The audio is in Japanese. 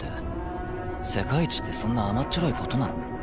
世界一ってそんな甘っちょろい事なの？